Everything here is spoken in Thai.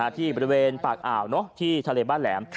ที่บริเวณปากอ่าวที่ทะเลบ้านแหลม